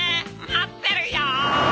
待ってるよ。